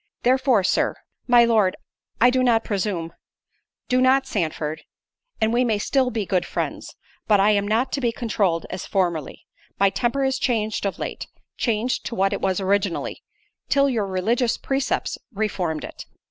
Therefore, Sir——" "My Lord, I do not presume—" "Do not, Sandford, and we may still be good friends. But I am not to be controlled as formerly; my temper is changed of late; changed to what it was originally; till your religious precepts reformed it.